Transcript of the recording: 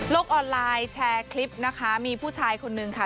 ออนไลน์แชร์คลิปนะคะมีผู้ชายคนนึงค่ะ